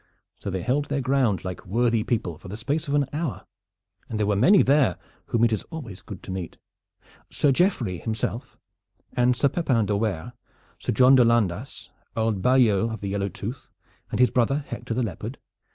So they held their ground like worthy people for the space of an hour, and there were many there whom it is always good to meet: Sir Geoffrey himself, and Sir Pepin de Werre, with Sir John de Landas, old Ballieul of the Yellow Tooth, and his brother Hector the Leopard.